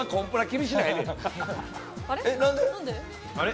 あれ？